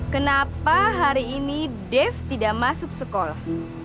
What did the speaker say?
kenapa hari ini dev tidak masuk sekolah